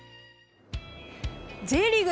Ｊリーグ